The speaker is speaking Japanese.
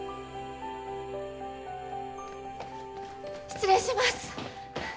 失礼します！